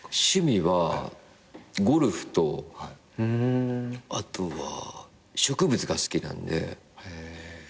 趣味はゴルフとあとは植物が好きなんで。